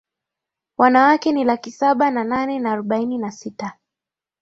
Wanawake ni laki saba na nane na arobaini na sita